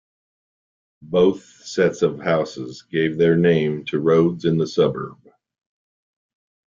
Both sets of houses gave their name to roads in the suburb.